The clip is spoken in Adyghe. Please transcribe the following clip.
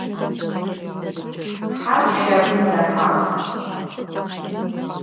Her şagum dehağ.